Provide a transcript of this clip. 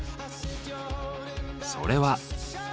それは。